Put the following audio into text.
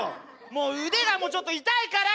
もう腕がちょっと痛いから。